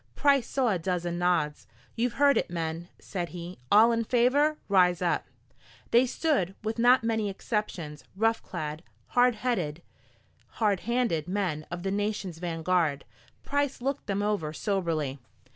Price saw a dozen nods. "You've heard it, men," said he. "All in favor rise up." They stood, with not many exceptions rough clad, hard headed, hard handed men of the nation's vanguard. Price looked them over soberly.